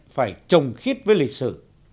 phải trồng khít với lịch sử